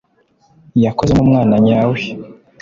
yakoze nk'umwana nyawe